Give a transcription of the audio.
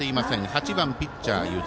８番ピッチャー湯田。